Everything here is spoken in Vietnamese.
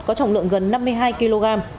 có trọng lượng gần năm mươi hai kg